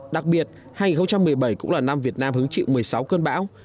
đặc biệt hai nghìn một mươi bảy cũng là năm việt nam hứng chịu một mươi sáu cơn bão